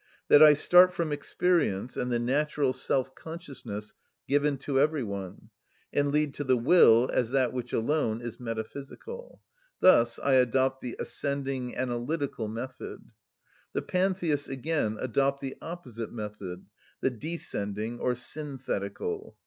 That I start from experience and the natural self‐consciousness given to every one, and lead to the will as that which alone is metaphysical; thus I adopt the ascending, analytical method. The Pantheists, again, adopt the opposite method, the descending or synthetical.